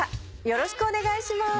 よろしくお願いします。